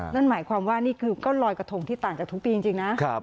นั่นหมายความว่านี่คือก็ลอยกระทงที่ต่างจากทุกปีจริงนะ